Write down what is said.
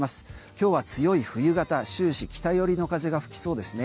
今日は強い冬型終始、北寄りの風が吹きそうですね。